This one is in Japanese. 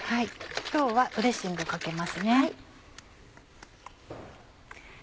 今日はドレッシングをかけますね。